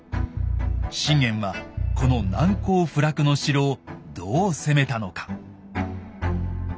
信玄はこの難攻不落の城をどう攻めたのか。